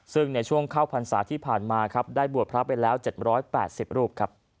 ซึ่งในช่วงเข้าพรรษาที่ผ่านมาครับได้บวชพระไปแล้ว๗๘๐รูปครับ